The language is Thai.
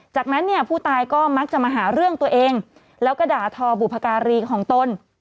จากนั้นเนี่ยผู้ตายก็มักจะมาหาเรื่องตัวเองแล้วก็ด่าทอบุพการีของตน